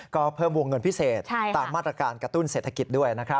ก็เพิ่มวงเงินพิเศษตามมาตรการกระตุ้นเศรษฐกิจด้วย